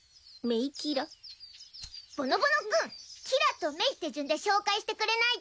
ぼのぼの君キラとメイって順で紹介してくれないと！